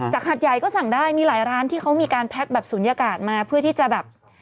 หาดใหญ่ก็สั่งได้มีหลายร้านที่เขามีการแพ็คแบบศูนยากาศมาเพื่อที่จะแบบ